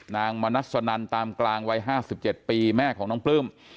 มณัสนันตามกลางวัย๕๗ปีแม่ของน้องปลื้ม